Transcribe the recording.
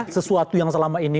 sesuatu yang selama ini